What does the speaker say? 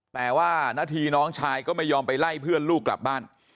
แต่ว่านาทีน้องชายก็ไม่ยอมไปไล่เพื่อนลูกกลับบ้าน